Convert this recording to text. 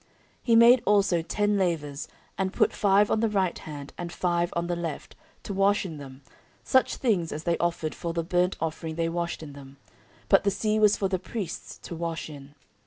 14:004:006 He made also ten lavers, and put five on the right hand, and five on the left, to wash in them: such things as they offered for the burnt offering they washed in them; but the sea was for the priests to wash in.